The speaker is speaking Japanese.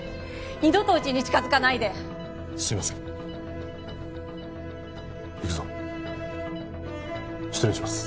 二度とうちに近づかないですいません行くぞ失礼します